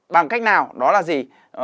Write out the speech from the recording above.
bằng cách nào đó là gì